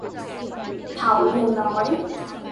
Thảo liền nói